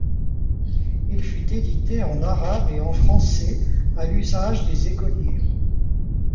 Il fut édité en arabe et en français, à l'usage des écoliers.